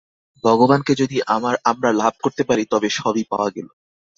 ভগবানকে যদি আমরা লাভ করতে পারি, তবে সবই পাওয়া গেল।